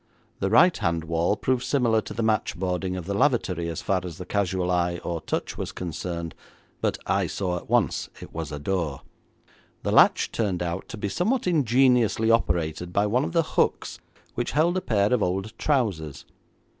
The right hand wall proved similar to the matchboarding of the lavatory as far as the casual eye or touch was concerned, but I saw at once it was a door. The latch turned out to be somewhat ingeniously operated by one of the hooks which held a pair of old trousers.